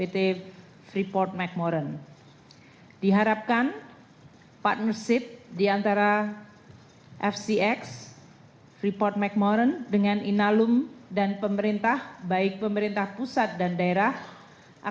kementerian keuangan telah melakukan upaya upaya